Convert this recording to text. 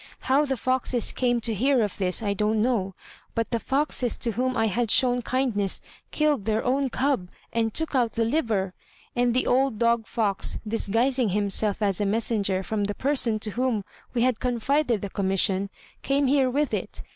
How the foxes came to hear of this I don't know; but the foxes to whom I had shown kindness killed their own cub and took out the liver; and the old dog fox, disguising himself as a messenger from the person to whom we had confided the commission, came here with it.